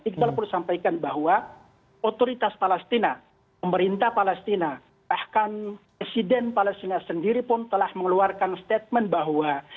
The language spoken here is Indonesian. iqbal perlu sampaikan bahwa otoritas palestina pemerintah palestina bahkan presiden palestina sendiri pun telah mengeluarkan statement bahwa